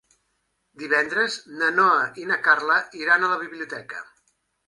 Divendres na Noa i na Carla iran a la biblioteca.